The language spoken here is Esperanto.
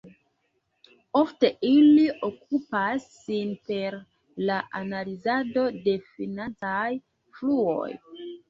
Ofte ili okupas sin per la analizado de financaj fluoj.